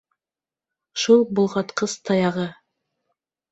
Шул болғатҡыс таяғы.